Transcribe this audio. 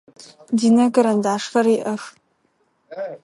Динэ карандашхэр иӏэх.